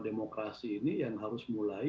demokrasi ini yang harus mulai